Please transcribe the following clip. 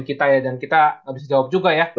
kita ya dan kita nggak bisa jawab juga ya